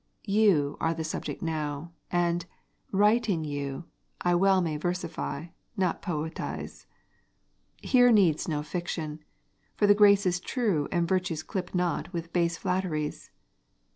You are the subject now, and, writing you, I well may versify, not poetize: Here needs no fiction; for the graces true And virtues clip not with base flatteries.